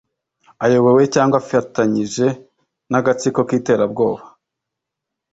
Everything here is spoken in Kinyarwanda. ayobowe cyangwa afatanyije n agatsiko k iterabwoba